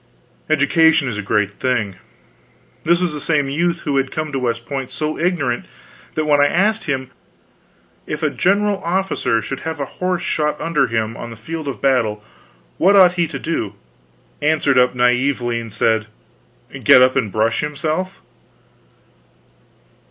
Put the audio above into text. Education is a great thing. This was the same youth who had come to West Point so ignorant that when I asked him, "If a general officer should have a horse shot under him on the field of battle, what ought he to do?" answered up naively and said: "Get up and brush himself."